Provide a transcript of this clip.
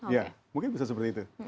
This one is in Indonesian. ya mungkin bisa seperti itu